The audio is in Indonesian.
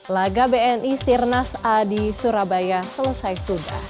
laga bni sirnas a di surabaya selesai sudah